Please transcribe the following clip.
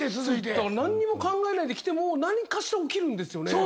何にも考えないで来ても何かしら起きるんですよね。